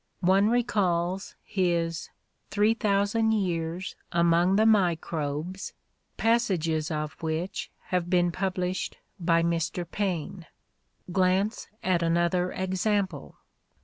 One recalls his "3000 Years Among the Microbes," passages of which have been published by Mr. Paine. Glance at another ex ample.